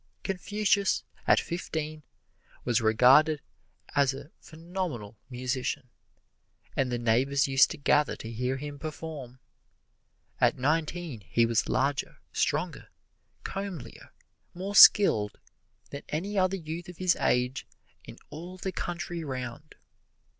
Confucius, at fifteen, was regarded as a phenomenal musician, and the neighbors used to gather to hear him perform. At nineteen he was larger, stronger, comelier, more skilled, than any other youth of his age in all the country round.